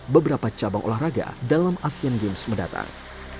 beberapa cabang olahraga dalam asean games mendatang